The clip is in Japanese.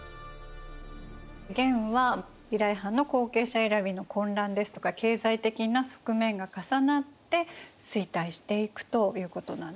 元はフビライ・ハンの後継者選びの混乱ですとか経済的な側面が重なって衰退していくということなんですね。